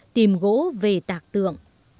tìm gỗ về tạc tượng